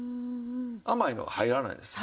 甘いのが入らないんですよ。